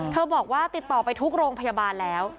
บอกว่าติดต่อไปทุกโรงพยาบาลแล้ว